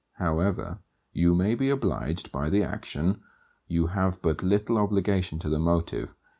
However you may be obliged by the action, you have but little obligation to the motive.